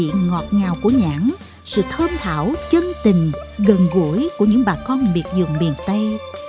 hướng dẫn ngọt ngào của nhãn sự thơm thảo chân tình gần gũi của những bà con biệt dường miền tây